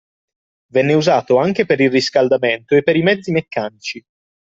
Venne usato anche per il riscaldamento e per i mezzi meccanici.